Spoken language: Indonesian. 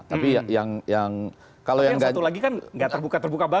tapi yang satu lagi kan gak terbuka terbuka banget